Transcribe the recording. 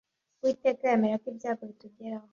Uwiteka yemera ko ibyago bitugeraho